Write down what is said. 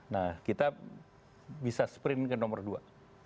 nah kita bisa sprint ke nomor dua